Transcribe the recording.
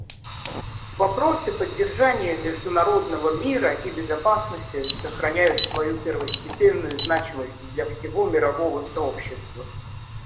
Вопросы поддержания международного мира и безопасности сохраняют свою первостепенную значимость для всего мирового сообщества.